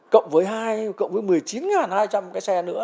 cộng với một mươi chín hai trăm linh xe nữa